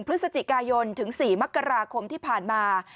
พฤศจิกายนถึง๔มกราคมที่ผ่านมา